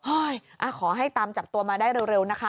ขอให้ตามจับตัวมาได้เร็วนะคะ